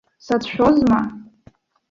Сацәшәозма!